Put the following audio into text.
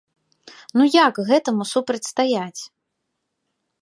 Ну як гэтаму супрацьстаяць?